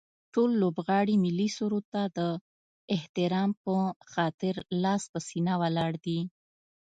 ټول لوبغاړي ملي سرود ته د احترام به خاطر لاس په سینه ولاړ دي